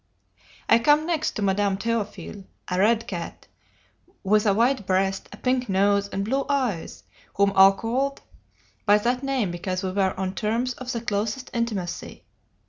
I come next to Madame Théophile, a 'red' cat, with a white breast, a pink nose, and blue eyes, whom I called by that name because we were on terms of the closest intimacy.